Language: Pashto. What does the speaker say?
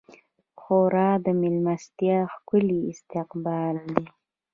ښوروا د میلمستیا ښکلی استقبال دی.